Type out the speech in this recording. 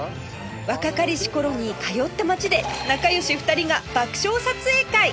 若かりし頃に通った街で仲良し２人が爆笑撮影会！